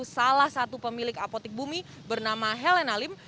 salah satu pemilik apotik bumi bernama helena lim